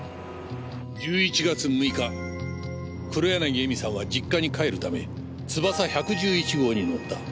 １１月６日黒柳恵美さんは実家に帰るためつばさ１１１号に乗った。